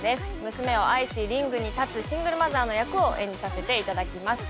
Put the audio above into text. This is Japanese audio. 娘を愛しリングに立つシングルマザーの役を演じさせていただきました。